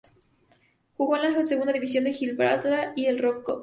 Jugó en la Segunda División de Gibraltar y en la Rock Cup.